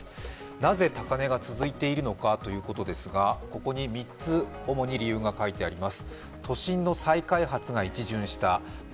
なぜ高値が続いているのかということですが、ここに３つ主に理由が書いてあります。